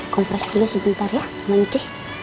kompres dulu sebentar ya amatnya